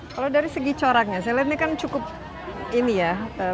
kalau dari segi coraknya saya lihat ini kan cukup ini ya